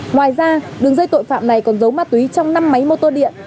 ngoài ra đường dây tội phạm này còn dấu ma túy trong năm máy mô tô điện